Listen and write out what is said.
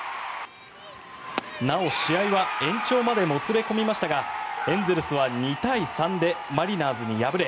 なお、試合は延長までもつれ込みましたがエンゼルスは２対３でマリナーズに敗れ